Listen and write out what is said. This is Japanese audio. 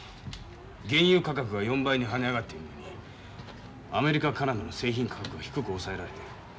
原油価格が４倍に跳ね上がっているのにアメリカカナダの製品価格は低く抑えられている。